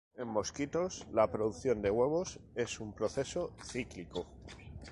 En mosquitos la producción de huevos es un proceso cíclico.